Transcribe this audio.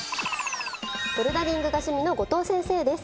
ボルダリングが趣味の後藤先生です。